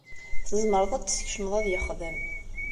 Tzemreḍ ad t-teskecmeḍ ad yexdem.